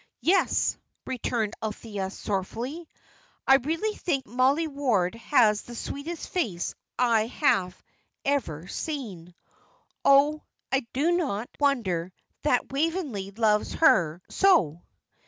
"Yes," returned Althea, sorrowfully. "I really think Mollie Ward has the sweetest face I have ever seen. Oh, I do not wonder that Waveney loves her so.